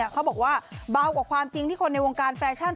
เขาบอกว่าเวลาบ่ำกับความจริง